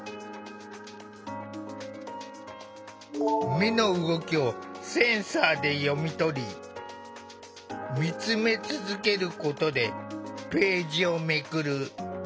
目の動きをセンサーで読み取り見つめ続けることでページをめくる。